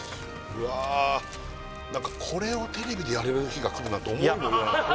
うわあなんかこれをテレビでやれる日が来るなんて思いもよらないいや